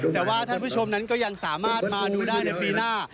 แต่ว่าท่านผู้ชมนั้นก็ยังสามารถมาดูได้ในปีหน้า